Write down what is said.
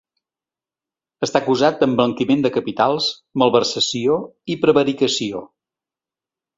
Està acusat d’emblanquiment de capitals, malversació i prevaricació.